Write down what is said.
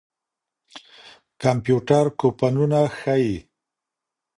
کمپيوټر کوپنونه ښيي.